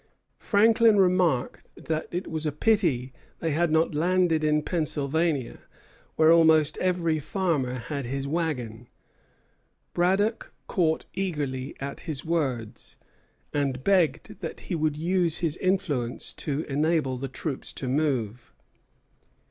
Franklin remarked that it was a pity they had not landed in Pennsylvania, where almost every farmer had his wagon. Braddock caught eagerly at his words, and begged that he would use his influence to enable the troops to move.